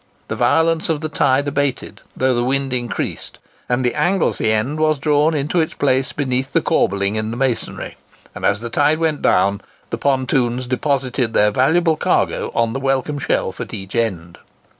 The violence of the tide abated, though the wind increased, and the Anglesey end was drawn into its place beneath the corbelling in the masonry; and as the tide went down, the pontoons deposited their valuable cargo on the welcome shelf at each end.